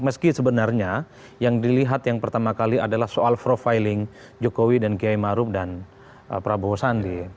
meski sebenarnya yang dilihat yang pertama kali adalah soal profiling jokowi dan kiai maruf dan prabowo sandi